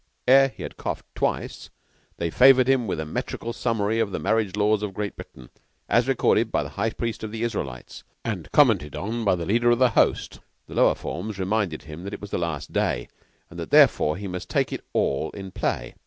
Ere he had coughed twice they favored him with a metrical summary of the marriage laws of Great Britain, as recorded by the High Priest of the Israelites and commented on by the leader of the host. The lower forms reminded him that it was the last day, and that therefore he must "take it all in play."